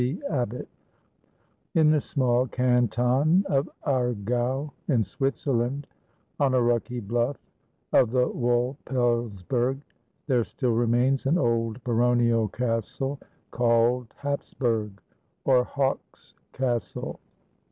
C. ABBOTT In the small canton of Aargau, in Switzerland, on a rocky bluff of the Wulpelsburg, there still remains an old baronial castle, called Hapsburg, or Hawk's Castle.